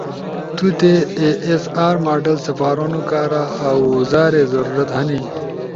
تو تے اے ایس ار ماڈل سپارونو کارا آوزارے ضرورت ہنی